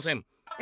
「え？